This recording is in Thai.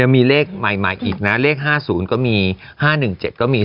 มีเลขใหม่อีกนะเลข๕๐ก็มี๕๑๗ก็มี